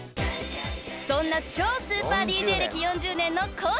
［そんな超スーパーＤＪ歴４０年のＫＯＯさん］